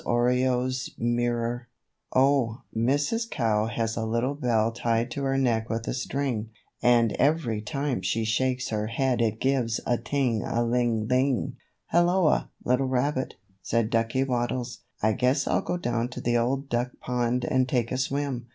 ORIOLE'S MIRROR Oh, Mrs. Cow has a little bell Tied to her neck with a string, And every time she shakes her head It gives a ting a ling ling. "HELLOA, little rabbit," said Ducky Waddles. "I guess I'll go down to the Old Duck Pond and take a swim."